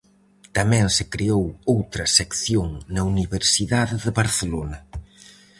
Tamén se creou outra Sección na Universidade de Barcelona.